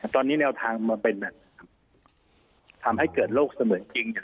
ตอนนี้เนวทางมาเป็นแบบนั้นทำให้เกิดโลกเสมอกจิง